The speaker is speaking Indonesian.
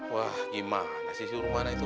gimana sih si rom mana itu